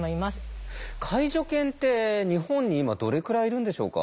介助犬って日本に今どれくらいいるんでしょうか？